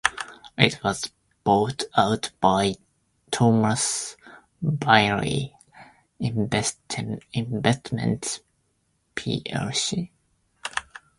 It was bought out by Thomas Bailey Investments plc.